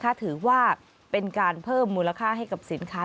ถือว่าเป็นการเพิ่มมูลค่าให้กับสินค้า